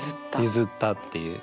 譲ったっていう。